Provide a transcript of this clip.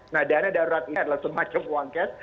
nah dana darurat ini adalah semacam uang cash